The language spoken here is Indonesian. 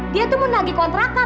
dia tuh mau nagih kontrakan